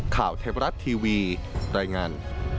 ข่าวเทพรัฐทีวีรายงาน